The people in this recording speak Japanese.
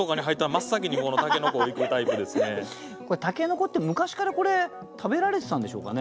筍って昔からこれ食べられてたんでしょうかね？